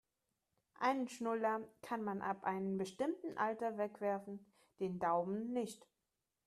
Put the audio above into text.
Einen Schnuller kann man ab einem bestimmten Alter wegwerfen, den Daumen nicht.